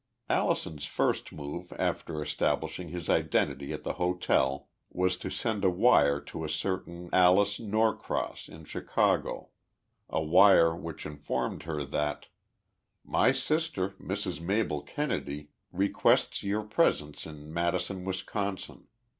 Allison's first move after establishing his identity at the hotel, was to send a wire to a certain Alice Norcross in Chicago a wire which informed her that "My sister, Mrs. Mabel Kennedy, requests your presence in Madison, Wisconsin.